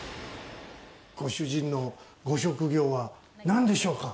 ご主人のご職業は何でしょうか？